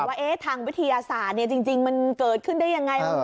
ว่าทางวิทยาศาสตร์จริงมันเกิดขึ้นได้ยังไง